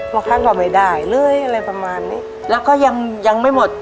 บางครั้งก็ไม่ได้เลยอะไรประมาณนี้แล้วก็ยังยังไม่หมด